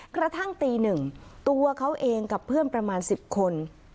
กระทั่งตีหนึ่งตัวเขาเองกับเพื่อนประมาณ๑๐คน